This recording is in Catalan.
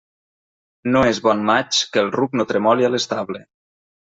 No és bon maig, que el ruc no tremoli a l'estable.